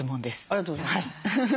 ありがとうございます。